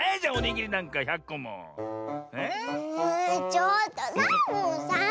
ちょっとサボさん！